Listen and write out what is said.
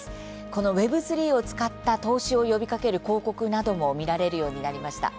このＷｅｂ３を使った投資を呼びかける広告なども見られるようになりました。